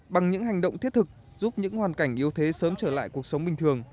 bằng những hành động thiết thực giúp những hoàn cảnh yếu thế sớm trở lại cuộc sống bình thường